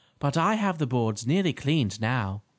"But I have the boards nearly cleaned now."